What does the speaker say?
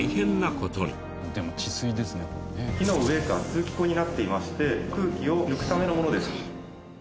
木の上が通気口になっていまして空気を抜くためのものです。